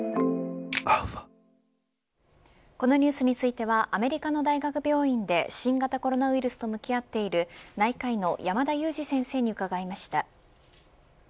このニュースについてはアメリカの大学病院で新型コロナウイルスと向き合っている内科医の山田悠史先生に伺いました。